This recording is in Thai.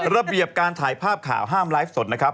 ระเบียบการถ่ายภาพข่าวห้ามไลฟ์สดนะครับ